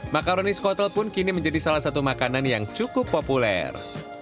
makaronis kotel pun kini menjadi salah satu makanan yang cukup populer